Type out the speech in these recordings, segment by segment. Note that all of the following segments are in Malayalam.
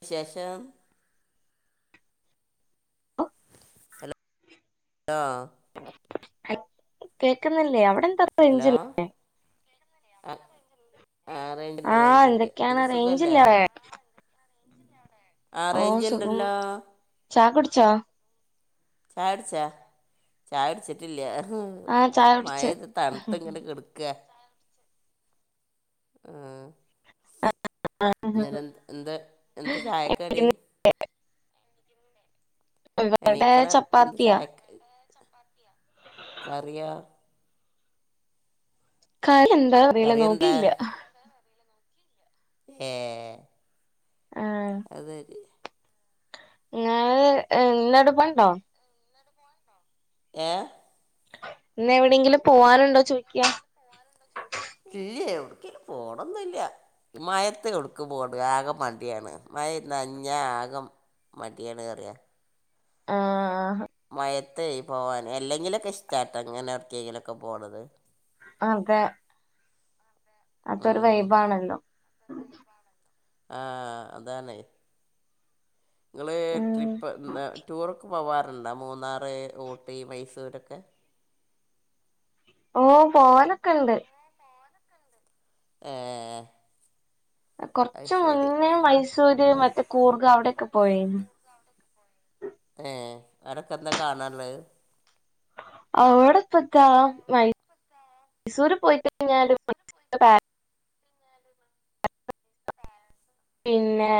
വിശേഷം. ആഹ് കേക്കുന്നില്ലേ അവിടെന്താ ഹലോ ആ ആഹ് റേഞ്ച്ണ്ട്, ആഹ് റേഞ്ച്ണ്ട്. എന്താ എന്തൊക്കെയാണ് സുഖല്ലേ? റേഞ്ചില്ല ആ ഓ സുഖം റേഞ്ചുണ്ടല്ലോ ചാ കുടിച്ചാ ചായടിച്ചാ ചായ അടിച്ചിട്ടില്ല ആഹ് ചായ കുടിച്ച് മഴത് തണുത്ത ഇങ്ങനെ കടു കെ ആഹ ഉം നി എന്താ എന്താ ചായക്കടി? ഉം ഇവിടെ എനീക്കന എന്താ ചപ്പാത്തിയാ ചായക്ക്‌ കറിയാ [unintelligible] എന്താ അറിയില കറി നോക്കില്ല. ഏഹ് ആഹ് അത് സെരി. ഇങ്ങള് ഇന്ന അടുപ്പണ്ടോ? ഏഹ്. ഇന്ന് എങ്ങടെങ്കിലും പോവാനുണ്ടോ ചോദിക്ക. ഇല്ലയ് എവിട്‌കേലും പോണൊന്നും ഇല്ല. മഴയത്ത് ഒട്ക്ക് പോട് ആക മട്യാണ് മയി ന്നൻഞ്ഞ ആക മടിയാണ് പറയാ. ആഹ് ആഹ് ആഹ്. മയത്തെയ് പോവാന് എല്ലെങ്കിലൊക്കെ ഇഷ്റ്റാട്ടൊ ങ്ങനെ ഒട്ക്കെങ്കിലൊക്കെ പോണത്. അൻത്തെ. അതൊരു ഉം. വൈബാണല്ലോ. ആ അതാണ്. നിങ്ങള് ഉം ട്രിപ്പ് മ് ടൂറൊക്ക പോവാറുണ്ടൊ മൂന്നാറ് ഊട്ടി മൈസൂരൊക്കെ ഓ പോലൊക്കെ ഉണ്ട്. ഏഹ് കൊറച്ച് മുന്നേ മൈസൂര് മറ്റേ കൂർഗ അവിടെ ഒക്കെ പോയേന്നു. ഏ അവരൊക്കെ എന്താ കാണുള്ളൂ. അടെപ്പാന്താ മൈസൂര് പോയിട്ട ഞൻ [unintelligible] [inaudible] കാ പിന്നെ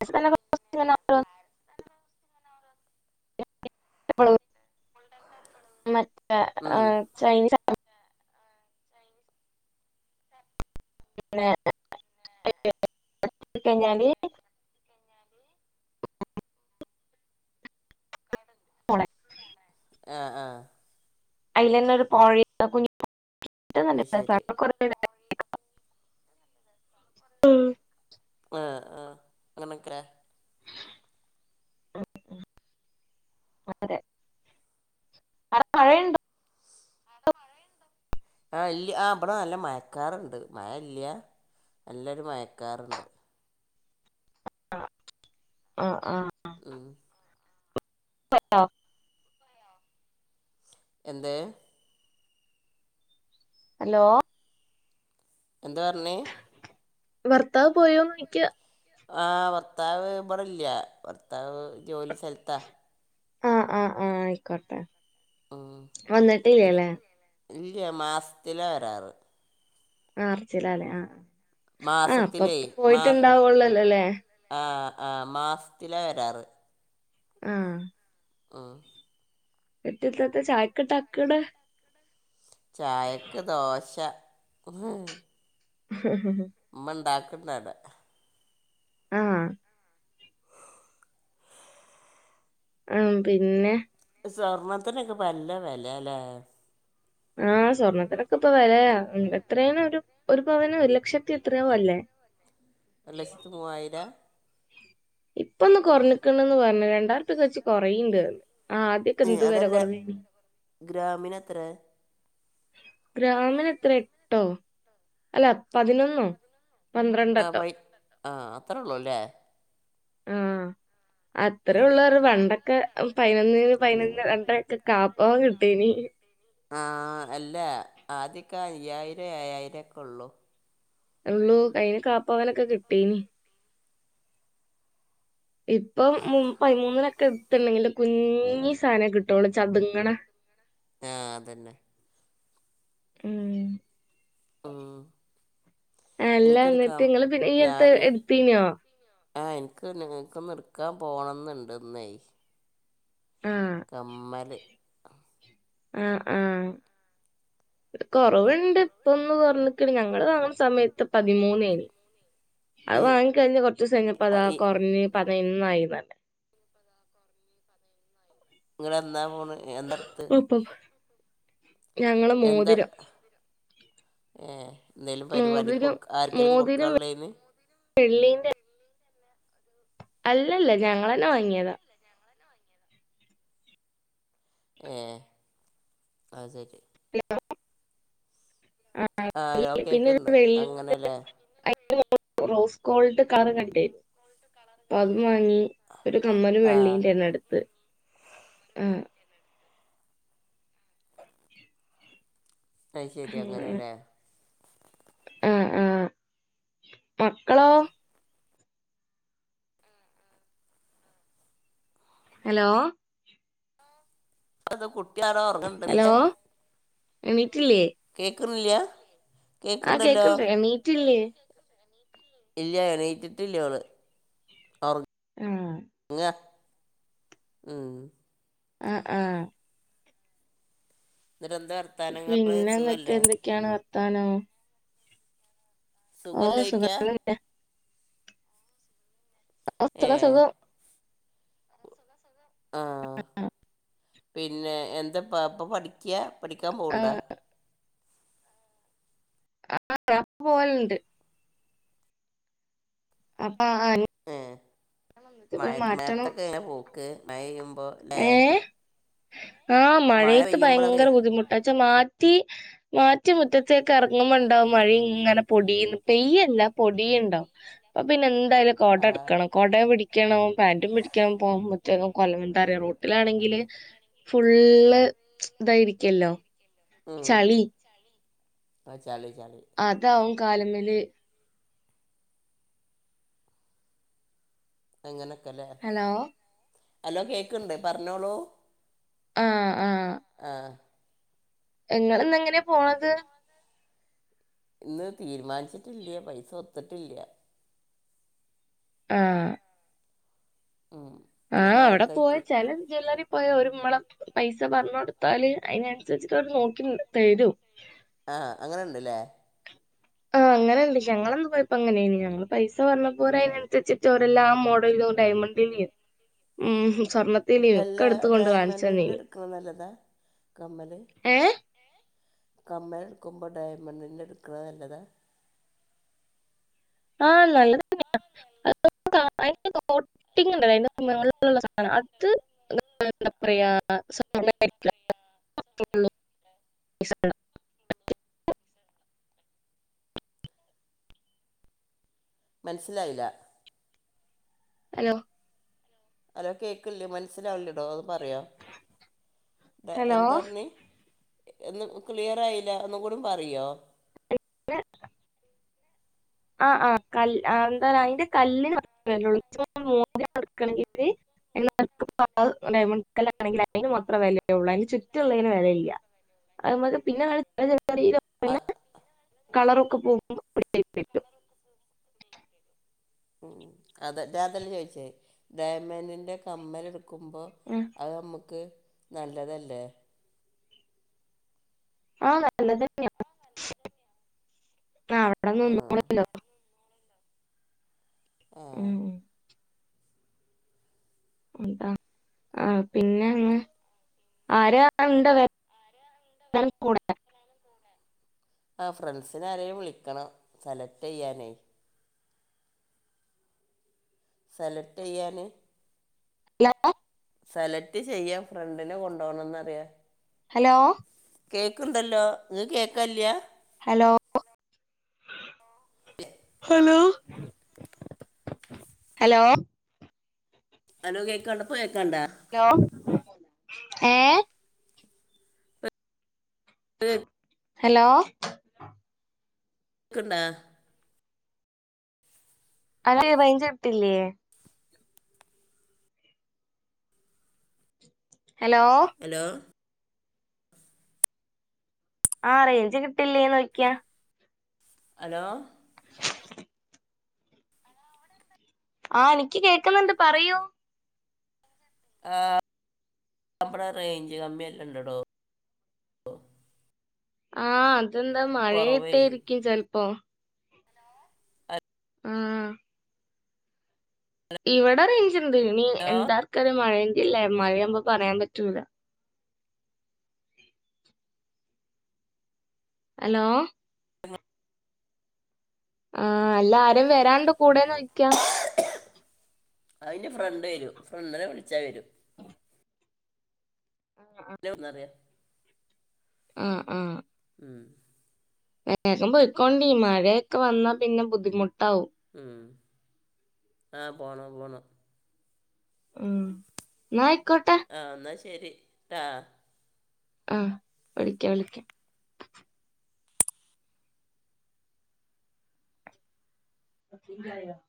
[unintelligible] [inaudible] മുണ്ടണ്ട. മറ്റ ആ ചൈനീസ് പിന്നെ [unintelligible] വർക്ക് കഴിഞ്ഞാല്. ഞ്ഞാല്. [inaudible] മോളേ ആഹ് ആഹ് അയ്ലെന്നൊരു പോഴി അ കുഞ്ഞ് പ. അത് ശരി [unintelligible] ആഹ് ആ അങ്ങനെത്ര? ആ. അതെ ആടെ മഴയുണ്ട? ആഹ് ഇല്ല്യ ആഹ് ബടെ നല്ല മയക്കാറ്ണ്ട് മയല്ല്യ നല്ലൊരു മയക്കാറ്ണ്ട്. ആ ആ ആഹ്. ഉം [unintelligible] എന്തേഹ്? ഹലോ എന്താർഞ്ഞെ ഭർത്താവ് പോയോന്ന് ചോദിക്കുക ആഹ് ഭർത്താവ് ഇവട ഇല്ല. ഭർത്താവ് ജോലി സ്ഥലത്താ. ആഹ് ആഹ് ആഹ് ആയിക്കോട്ടെ ഉം എന്നിട്ട് വന്നിട്ടില്ലെലേ. ഇല്ല മാസത്തിലാ വരാറ് ആർച്ചിലലെ ആ ആഹ് മാസത്തിലേ പ്പപ് മാസ് പോയിട്ടുണ്ടാവൊള്ളല്ലോ ലേ. ആ ആ മാസത്തില വരാറ്. ആഹ് ആഹ് എത്തിത്താത്ത ചായക്ക്ണ്ടാക്ക്ണെ. ചായക്ക് ദോശ ഹും ഉ ഉമ്മ ഇണ്ടാക്കണ്ടാവട. ആഹ് ആഹ് പിന്നെ സ്വർണ്ണത്തിനൊക്കെ ഇപ്പോ നല്ല വെലേല്ലെ. ആഹ് സ്വർണ്ണത്തിനോക്കെ ഇപ്പൊ വലയാ എത്രേന ഒരു ഒരു പവന ഒരു ലക്ഷത്തി എത്രയോ അല്ലേ ഒരു ലക്ഷത്തി മൂവായിര? ഇപ്പൊന്ന് കുറഞ്ഞക്കണന്ന് പറഞ്ഞ. രണ്ടായിരത്തക്ക വച്ച് കൊറയണ്ട്ന്ന്. ആ ആദ്യ ഉം അതന്നെ. ഗ്രാമീന് എത്രെ? ഗ്രാമിനു എത്ര എട്ടോ? അല്ല പതിനൊന്നോ? ആ പന്ത്രണ്ടട്ടോ വൈറ്റ് ആ അത്രേ ഉള്ളല്ലേ ആ അത്ര ഉള്ളവരു വണ്ടൊക്കെ അം പയ്നൊന്നിന് പയ്നൊന്ന്ല് രണ്ടരൊക്കെ കാപ്പ കിട്ടീനി. ആ അല്ല ആദ്യക്കാ അയ്യായിരം ഏയായിരക്കെള്ളൂ അള്ളൂ കയ്യി കാപ്പാവാനൊക്കെ കിട്ടീനി. ഇപ്പൊ മും പയിമൂന്നിനൊക്കെ എത്തില്ലെങ്കിലും കുഞ്ഞി സാനാ കിട്ടുവുള്ളൂ ചത്ങ്ങ്ണേ. ആഹ അതന്നെ. ഉം ഉം എല്ലാ എനിക്കൊരു കാ എന്നിട്ട് നിങ്ങള് പിന്നെ ഈ അടുത്ത് ഞാൻ എടുത്തീനോ ആ എനിക്ക് നിങ്ങൾക്ക് നിർക്കാൻ പോകണം ന്നുണ്ടെന്നേ കമ്മല് ആഹ് ആഹ് കൊറവുണ്ട് അപ്പൊ ഇപ്പൊന്ന് കൊറഞ്ഞിക്കണ് ഞങ്ങള് [unintelligible] സമയ ത്തി പതിമൂനെനി. അത് ഈ വാങ്ങി കഴിഞ്ഞ് കുറച്ച്സം കഴിഞ്ഞ പ്പതാ ഈ കുറഞ് [unintelligible] നിങ്ങളെന്നാ പോണ് എന്തടത്ത് അപ്പൊ ഞങ്ങള് എന്താ മോതിരം. ഏ എന്തേലും മോതിരം പരിപാടിക്കൊടുക്ക ആർക്കേലും കൊടുക്കാള്ളേന്ന്. വെള്ളിന്റെ അല്ലല്ല ഞങ്ങളന്നെ വാങ്ങിയതാ ഏഹ് അഹ് സരി. ഹലോ ആഹ് [unintelligible] ആഹ് ലോ കേക്ക്ണ്ട് അങ്ങനെ ലേ. [unintelligible] അ റോസ് ഗോൾഡ് കറ് കണ്ട്‌. അപ്പൊ അതും വാങ്ങി ഒരു കമ്മനും ആ വെള്ളിയും തന്നെടുത്ത് ആഹ് അയ്ശെരി അങ്ങനെല്ലേ ആഹ ആഹ മക്കളോ ഹലോ അത് കുട്ട്യാരോ ഹലോ ഓർങ്ങണ്ട്ല്ലേ. എണീറ്റില്ലേ കേക്കുന്നില്യാ ആ കേക്ക്ണ്ടല്ലോ കേക്കണ്ട് എണീറ്റില്ലേ ഇല്ല്യ എണീറ്റിട്ടില്ലോള് [unintelligible] ആ ഉം. ഉം ഉം. ഇതിനെന്താർ പിന്നെന്നിട്ട് എന്തൊക്കെയാണ് വർത്താനം ഓ സുഖ സുഖല്ലോയ്ക്കാ [unintelligible] ഓ സുഖം ഏഹ് സുഖം ആ പിന്നെ എന്താപ്പ പ്പ പഠിക്ക പഠിക്കാ പോവുണ്ട? ആഹ് [inaudible] പോവലുണ്ട് അപ്പ [unintelligible] ഏ മഴ മഴത്തൊക്കെ എങ്ങനെ പോക്ക് മഴ പെയ്യുമ്പോ? ല്ലേ ഏ ആ മഴ മഴയത്ത് പെയ്യുമ്പോഴൊക്കെ ഭയങ്കര ബുദ്ധിമുട്ടാച്ച മാറ്റി മാറ്റി മുറ്റത്തേക്ക് ഇറങ്ങുമ്പോണ്ടാവും മഴ ഇങ്ങനെ പൊടീന്ന് പെയ്യല്ല പൊടിയുണ്ടാവും അപ്പൊ പിന്നെ എന്തായാലും കൊട ആ എടുക്കണം കൊടയും പിടിക്കണം പാന്റും പിടിക്കണം പോകുമ്പോത്തേകും കൊ ആരോറൂട്ടിലാണെങ്കില് ഫുള്ള് ഇതായിരിക്കല്ലോ. ഉം ചളി ചളി ചളി അതാവും കാലിമേല് അങ്ങനക്കല്ലേ ഹലോ അലോ കേക്കണ്ട് പറഞ്ഞോളൂ ആഹ് ആഹ് ആഹ് ഇങ്ങള് ന്നെങ്ങനെ പോണത്? ഇന്ന് തീരുമാനിച്ചിട്ടില്ല പൈസ ഒത്ത്ട്ടില്ല. ആ ആ ആ അവിടെ പോയചെലെ ജ്വല്ലറി ഇപ്പൊ ഒരു മ്മളം പൈസ പറഞ്ഞൊടുത്താല് അയ്നനുസരിച്ചിട്ട് ഓര് നോക്കി തരും ആ അങ്ങനെണ്ട്ല്ലേ ആഹ് അങ്ങനെ ഉണ്ട് ഞങ്ങളൊക്കെ പോയപ്പോ അങ്ങനെയനി ഞങ്ങള് പൈസ പറഞ്ഞ പോ അതിനനുസരിച്ചിട്ടോരെല്ലാം ആ മോഡലും ഡയമണ്ട്. [unintelligible] സ്വർണ അല്ലാ ഡയമണ്ടി ന്റെ എടുക്ണ നല്ലതാ കമ്മല് ഏ കമ്മലടുക്കുമ്പോ ഡയമണ്ടിന്റെ എടുക്കണ നല്ലതാ. ആഹ് നല്ലതന്നെയ [unintelligible] [unintelligible] [inaudible] [unintelligible] മൻസ്സിലായില്ല. ഹലോ. അലോ കേക്കില്ലേ മനസ്സിലാവില്ലടോ പറയോ ഹലോ എന്താറഞ്ഞി? എന്ന് ക്ലിയർ ആയില്ല ഒന്ന് കൂടി പറയോ? [unintelligible] ആഹ് ആഹ് കാല്ല് ആഹ് അയ്ന്റെ കല്ല് ന [unintelligible] [unintelligible] ഡയമണ്ട് കല്ലാണെങ്കി അതിന് മാത്ര വിലയള്ളൂ അതിന് ചുറ്റുള്ളേന് വെലയില്ല. അതുമ്മക് പിന്നെ ആ [unintelligible] കളർ പോ മ്മ് അതെ അതെല്ല ചോയിച്ചേ ഡയമന്റിന്റെ കമ്മൽ എടു [unintelligible] അ ഉം. മ്മക് നമുക്ക് നല്ലതല്ലേ ആ [unintelligible] ആ ഉം എന്താ ആ പിന്നെങ്ങ് ആരാ ണ്ടോ [unintelligible] [unintelligible] ആ ഫ്രണ്ട്സിനാരെയും വിളിക്കണം സെലറ്റ് ചെയ്യാനേ സെലറ്റ് യ്യാന് [unintelligible] സെലറ്റ് ചെയ്യാ ഫ്രണ്ടിനെ കൊണ്ടു പോണന്ന് പറയ ഹലോ കേക്ണ്ടല്ലോ ഇങ്ങക്ക് കേകല്യ ഹലോ. ഹലോ ഹലോ കേക്ണ്ടപ്പ കേക്ണ്ടാ? ഹലോ ഏഹ് ഇപ്പോൾ കേക്കണ്ട ഹലോ ക്ക്ണ്ട അനക് റൈജ് കിട്ടില്ലേ ഹലോ ഹലോ. ആ റേഞ്ച് കിട്ടില്ലേ നോക്കിയ ഹലോ ആ എനിക്ക് കേക്കുന്ന്ണ്ട് പറയൂ ആഹ് ഇവടെ റേഞ്ച് കമ്മിയെല്ലാ ഇണ്ടടോ. ആ അതെന്താ കുറവേ മഴയാട്ടിരിക്കും ചെലപ്പോ ആഹ് ഇവിടെ റേഞ്ച്ണ്ട്. ഇനി ഹലോ എന്താർക്കത് മഴയന്റെല്ലേ മഴയാമ്പോ പറയാൻ പറ്റൂല. അലോ ആഹ് അല്ല ആരേലും വരാണ്ടൊ കൂടെ നോയിക്കാ. [unintelligible] അയിന്റെ ഫ്രണ്ട് വരും. ഫ്രണ്ടിനെ വിളിച്ച വരും. [inaudible] [unintelligible] ഉം ഉം ഉം വേഗം പോയിക്കോണ്ടീ. മഴയൊക്കെ വന്നാ പിന്നെ ബുദ്ധിമുട്ടാവും. മ്മ് ആ പോണം പോണം മ്മ് ന്നയിക്കോട്ടെ ആഹ് ന്നാ ശരി ട്ട ഉം വിളിക്ക വിളിക്ക. തീങ്കായോ